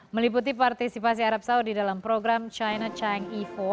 meliputi partisipasi arab saudi dalam program china chang'e empat